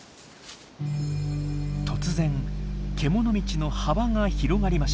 突然けもの道の幅が広がりました。